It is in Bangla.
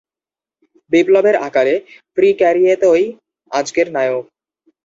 বিপ্লবের আকালে প্রিক্যারিয়েতই আজকের নায়ক।